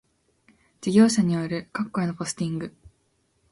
事業者による各戸へのポスティング